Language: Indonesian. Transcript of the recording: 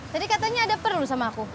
tadi katanya ada perlu sama aku